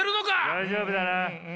大丈夫だな？